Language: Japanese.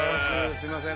すいません